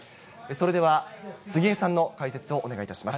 それでは、杉江さんの解説をお願いいたします。